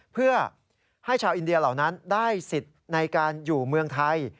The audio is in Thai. เพื่อให้ชาวอินเดียเหล่านั้นได้สิทธิ์ในการอยู่เมืองไทย